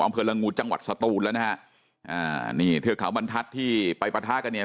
อำเภอลงงูจังหวัดสตูนแหละนะฮะเออนี่เทือกข่าวมัณฑัตวดที่ไปปะทะขณะนี้